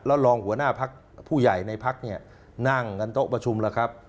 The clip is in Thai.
แล้วรองหัวหน้าภักดิ์ผู้ใหญ่ในภักดิ์นั่งกันตกประชุมแล้วครับ